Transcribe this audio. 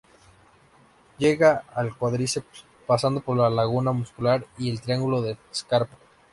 Llega al cuádriceps pasando por la laguna muscular y el triángulo de scarpa.